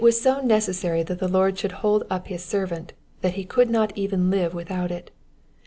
259 necessary that the Lord should hold up his servant, that he could not even live without it.